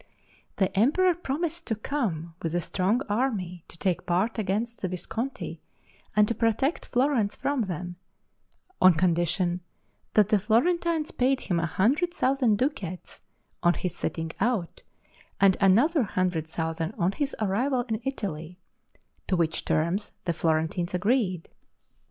The emperor promised to come with a strong army to take part against the Visconti and to protect Florence from them, on condition that the Florentines paid him a hundred thousand ducats on his setting out, and another hundred thousand on his arrival in Italy; to which terms the Florentines agreed.